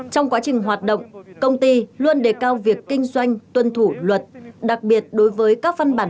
trong quá trình hoạt động công ty luôn đề cao việc kinh doanh tuân thủ luật đặc biệt đối với các văn bản